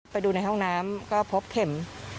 ไปดูในห้องน้ำก็พบเข็ม